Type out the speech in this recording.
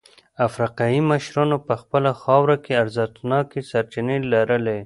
افریقايي مشرانو په خپله خاوره کې ارزښتناکې سرچینې لرلې.